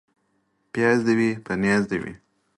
پياز دي وي ، په نياز دي وي.